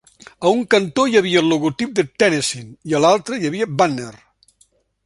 A un cantó hi havia el logotip de "Tennessean" i a l'altre hi havia "Banner".